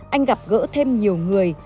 anh gặp gỡ thêm nhiều người